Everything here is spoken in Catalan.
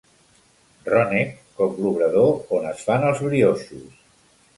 Rònec com l'obrador on es fan els brioixos.